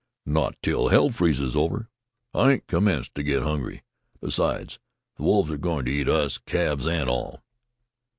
"Not till hell freezes over! I ain't commenced to get hungry. Besides, the wolves are going to eat us, calves and all."